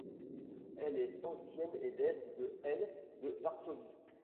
Elle est ancienne élève de l’ de Varsovie.